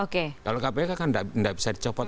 kalau kpk kan tidak bisa dicopot